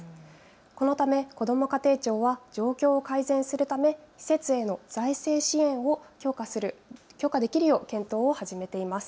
このためこども家庭庁は状況を改善するため施設への財政支援を強化できるよう検討を始めています。